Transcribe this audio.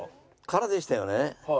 空でしたよね？